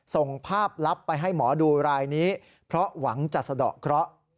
ส่งภาพลับไปให้หมอดูรายนี้เพราะหวังจะสะดอกเคราะห์